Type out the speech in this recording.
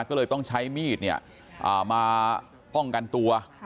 ก็เลยต้องใช้มีดมาป้องกันตัว